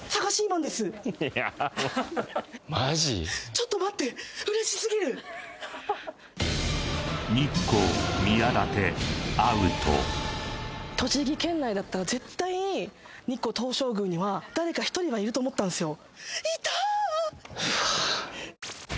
ちょっと待って日光宮舘アウト日光東照宮には誰か１人はいると思ったんですよ